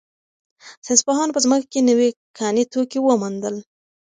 ساینس پوهانو په ځمکه کې نوي کاني توکي وموندل.